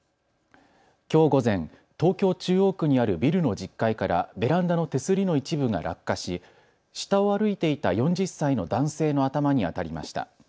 きょう午前、東京中央区にあるビルの１０階からベランダの手すりの一部が落下し下を歩いていた４０歳の男性の頭に当たりました。